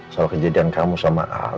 soal kejadian kamu sama a